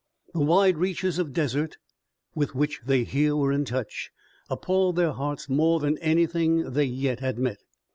The wide reaches of desert with which they here were in touch appalled their hearts more than anything they yet had met.